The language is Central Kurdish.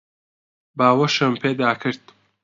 باوەشم پێدا کرد.